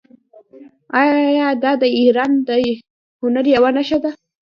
آیا دا د ایران د هنر یوه نښه نه ده؟